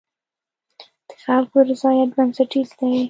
د خلکو رضایت بنسټیز دی.